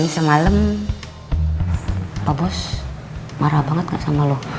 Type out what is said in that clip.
semalam pak bos marah banget sama lo